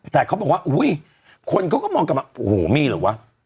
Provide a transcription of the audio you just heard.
แต่เขาบอกว่าอุ้ยคนเขาก็มองกันว่าโอ้โหมีเหรอวะ